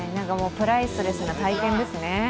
プライスレスな体験ですね。